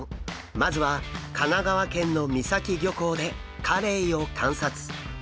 まずは神奈川県の三崎漁港でカレイを観察。